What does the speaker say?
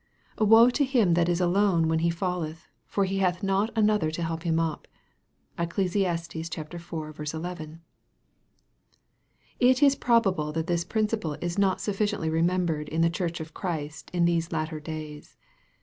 " Woe to him that is alone when he falleth ; for he hath not an other to help him up." (Eccles. iv. 11.) It is probable that this principle is not sufficiently remembered in the church of Christ in these latter days.